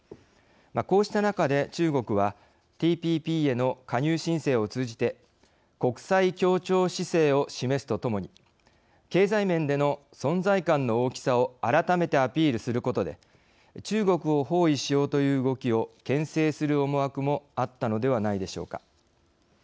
こうした中で中国はＴＰＰへの加入申請を通じて国際協調姿勢を示すとともに経済面での存在感の大きさを改めてアピールすることで中国を包囲しようという動きをけん制する思惑もあったのではないでしょうか。